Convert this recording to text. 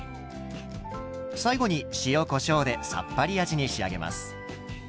最後に塩こしょうでさっぱり味に仕上げます。